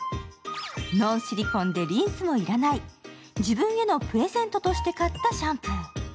ノンシリコンでリンスも要らない、自分へのプレゼントとして買ったシャンプー。